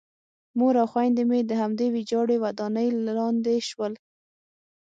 مور او خویندې مې د همدې ویجاړې ودانۍ لاندې شول